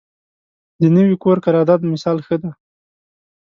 د نوي کور قرارداد مثال ښه دی.